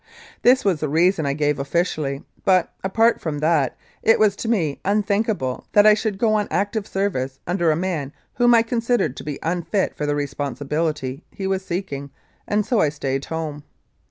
This was the reason I gave officially, but, apart from that, it was to me unthinkable that I should go on active service under a man whom I considered to be unfit for the responsibility he was seek ing, and so I stayed at home.